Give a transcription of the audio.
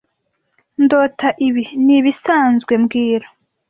ndota. Ibi ni ibisanzwe mbwira